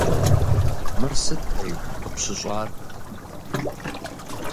Мыр сыт, ӏей, къыпщыщӏар?